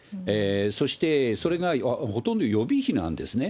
そしてそれがほとんど予備費なんですね。